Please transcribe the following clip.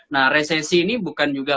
nah resesi ini bukan juga